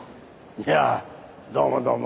いやどうもどうも。